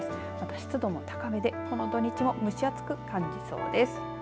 湿度も高めでこの土日も蒸し暑く感じそうです。